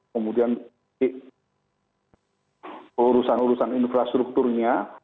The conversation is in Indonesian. kemudian urusan urusan infrastrukturnya